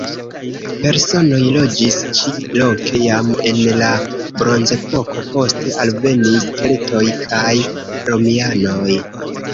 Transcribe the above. Personoj loĝis ĉi-loke jam en la bronzepoko; poste alvenis keltoj kaj romianoj.